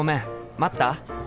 待った？